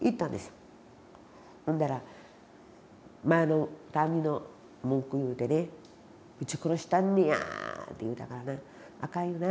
ほんだら前の担任の文句言うてね「ぶち殺したんねや」って言うたからな「あかんよなぁ」